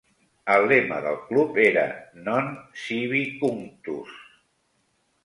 El lema del club era "Non Sibi Cunctus".